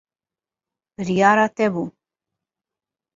Biryara te bû.